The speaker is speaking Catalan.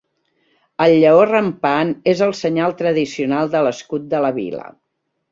El lleó rampant és el senyal tradicional de l'escut de la vila.